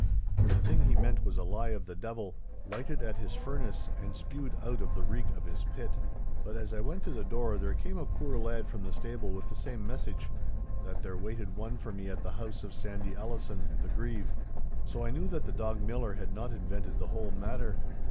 For the thing he meant was a lie of the devil, lighted at his furnace and spewed out of the reek of his pit. But as I went to the door there came a poor lad from the stable with the same message—that there waited one for me at the house of Sandy Allison, the Grieve. So I knew that the dog Millar had not invented the whole matter.